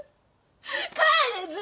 帰れず！